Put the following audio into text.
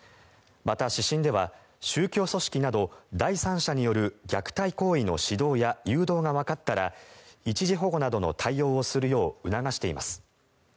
また、指針では宗教組織など第三者による虐待行為の指導や誘導がわかったら一時保護などの対応をするよう促しています。